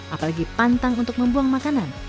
apalagi pantang untuk membuang makanan